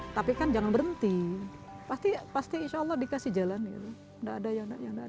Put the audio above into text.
tapi kan jangan berhenti pasti insya allah dikasih jalan gitu nggak ada yang nggak mungkin